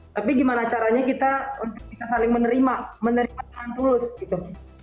tapi bagaimana caranya kita bisa saling menerima menerima dengan tulus gitu